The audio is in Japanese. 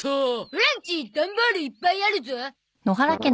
オラんちダンボールいっぱいあるゾ。